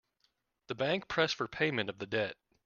The bank pressed for payment of the debt.